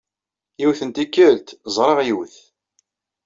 Yiwet n tikkelt, ẓriɣ yiwet.